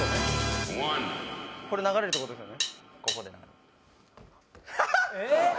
これ流れるってことですよね？